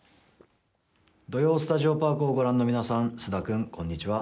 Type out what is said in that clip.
「土曜スタジオパーク」をご覧の皆さん、菅田君こんにちは。